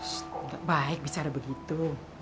sst gak baik bisa ada begitu